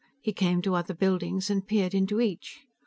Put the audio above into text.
He came to other buildings and peered into each.